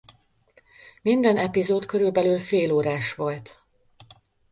Minden epizód körülbelül fél órás volt.